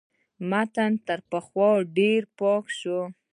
متن تر پخوا ډېر پاک شو.